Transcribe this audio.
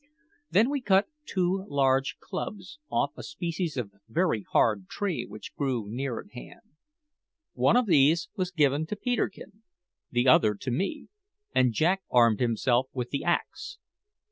Then we cut two large clubs off a species of very hard tree which grew near at hand. One of these was given to Peterkin, the other to me, and Jack armed himself with the axe.